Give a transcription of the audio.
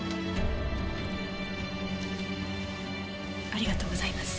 ありがとうございます。